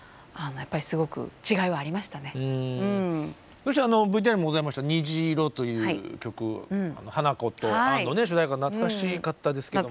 そしてＶＴＲにもございました「にじいろ」という曲「花子とアン」の主題歌懐かしかったですけども。